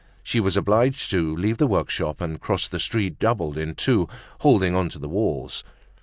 She was obliged to leave the work shop, and cross the street doubled in two, holding on to the walls.